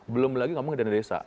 belum lagi ngomong dana desa